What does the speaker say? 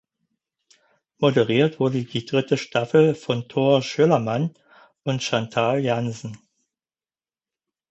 Moderiert wurde die dritte Staffel von Thore Schölermann und Chantal Janzen.